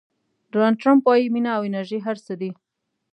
ډونالډ ټرمپ وایي مینه او انرژي هر څه دي.